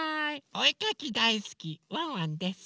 おえかきだいすきワンワンです。